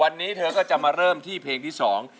วันนี้เธอก็จะมาเริ่มที่เพลงที่สอง